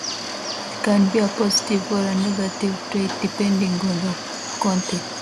It can be a positive or negative trait depending on the context.